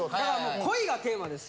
恋がテーマですよ。